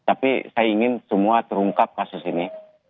tapi saya ingin semua terungkap kasus ini